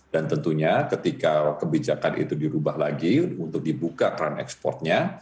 dan tentunya ketika kebijakan itu dirubah lagi untuk dibuka keran ekspornya